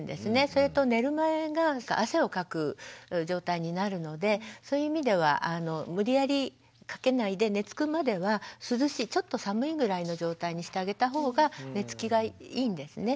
それと寝る前が汗をかく状態になるのでそういう意味では無理やり掛けないで寝つくまではちょっと寒いぐらいの状態にしてあげた方が寝つきがいいんですね。